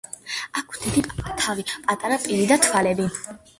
აქვს დიდი თავი, პატარა პირი და თვალები.